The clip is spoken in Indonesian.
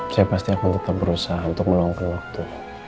saya pasti akan tetap berusaha untuk meluangkan waktu